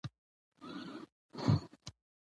موږ باید خپل مسؤلیتونه په وخت ترسره کړو